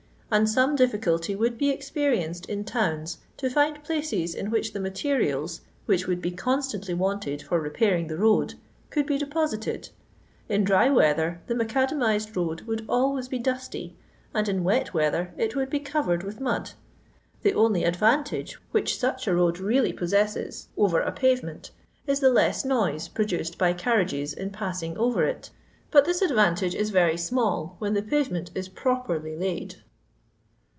And some difficulty would be experienced in towns to jfind phices in whidi the materiali^ which would be constantly wanted for repairing the road, could be deposited. In dry weather tha macadamised road would always be dusty, and in wat weather it woiM be ootvered with Bad. The only advantage which such a road really f No. ZZZYIL 182 LONDON LABOUR AND THE LONDON POOR, Tery i orer a payement is the less noise prodnoed by carriages in passing oyer it ; but this adnutage is BTj small when the payement is properly laid.